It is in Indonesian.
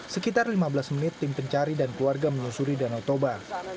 sekitar lima belas menit tim pencari dan keluarga menelusuri danau toba